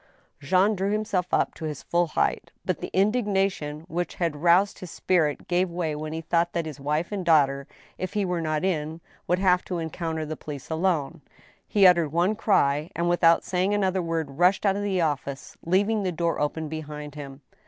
Jean drew himself up to his full height. But the indignation which had roused his spirit gave way when he thought that his wife and daughter, if he were not in, would have to encounter the police alone. He uttered one cry, and, without saying another word, rushed out of the office, leaving the door open behind him.